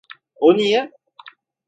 O niye?